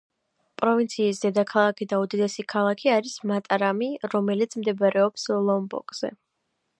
პროვინციის დედაქალაქი და უდიდესი ქალაქი არის მატარამი, რომელიც მდებარეობს ლომბოკზე.